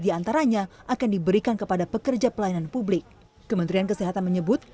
diantaranya akan diberikan kepada pekerja pelayanan publik kementerian kesehatan menyebut